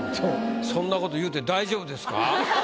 そんなこと言うて大丈夫ですか？